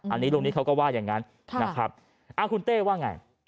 อันนี้ลุงนิดเขาก็ว่าอย่างนั้นนะครับคุณเต้ว่าไง